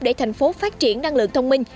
để thành phố phát triển năng lượng thông minh